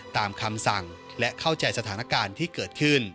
ตามคำสั่งและเข้าใจสถานการณ์ที่เกิดขึ้น